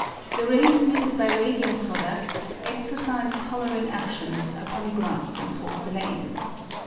The rays emitted by radium produfts exercise colourincr adlions upon glass and porcelain.